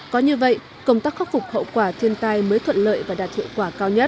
có như vậy công tác khắc phục hậu quả thiên tai mới thuận lợi và đạt hiệu quả cao nhất